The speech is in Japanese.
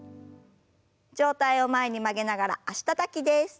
上体を前に曲げながら脚たたきです。